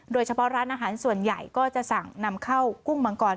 โดยเฉพาะร้านอาหารส่วนใหญ่ก็จะสั่งนำเข้ากุ้งมังกร